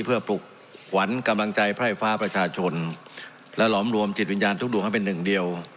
เพื่อปลุกขวัญกำลังใจไพร่ฟ้าประชาชนและหลอมรวมจิตวิญญาณทุกดวงให้เป็นหนึ่งเดียว